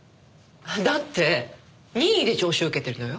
だって任意で聴取受けてるのよ。